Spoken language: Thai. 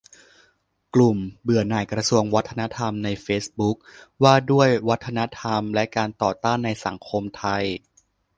"กลุ่มเบื่อหน่ายกระทรวงวัฒนธรรมในเฟซบุ๊ก : ว่าด้วยวัฒนธรรมและการต่อต้านในสังคมไทย"